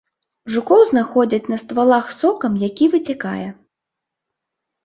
Жукоў знаходзяць на ствалах з сокам, які выцякае.